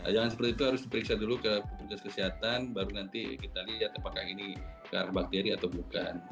jangan seperti itu harus diperiksa dulu ke petugas kesehatan baru nanti kita lihat apakah ini karena bakteri atau bukan